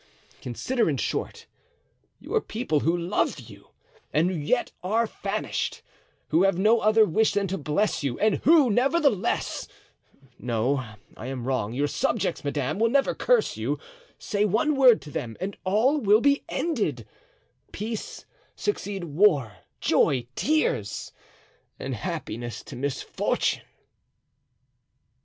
Consider, in short, your people who love you and who yet are famished, who have no other wish than to bless you, and who, nevertheless—no, I am wrong, your subjects, madame, will never curse you; say one word to them and all will be ended—peace succeed war, joy tears, and happiness to misfortune!"